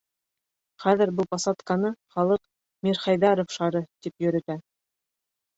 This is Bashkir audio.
Хәҙер был посадканы халыҡ «Мирхәйҙәров шары» тип йөрөтә.